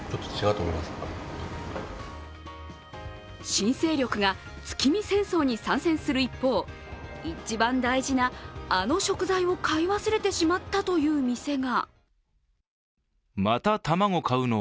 新勢力が月見戦争に参戦する一方、一番大事な、あの食材を買い忘れてしまったという店が。